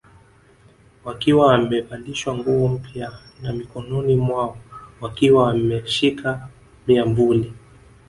Wakiwa wamevalishwa nguo mpya na mikononi mwao wakiwa wameshika miamvuli